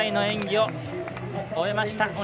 演技を終えました。